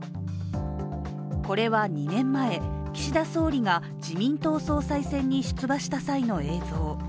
これは２年前、岸田総理が自民党総裁選に出馬した際の映像。